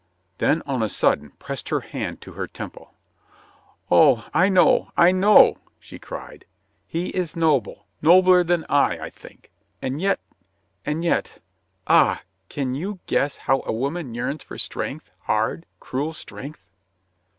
Then on a sudden pressed her hand to her temple. "Oh, I know, I know!" she cried. "He is noble — nobler than I, I think. And yet — and yet — ah, can you guess how a woman yearns for strength, hard, cruel strength?"